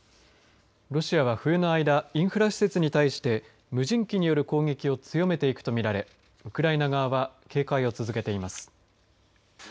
ロシアは冬の間インフラ施設に対して無人機による攻撃を強めていくと見られウクライナ側は警戒を続けています。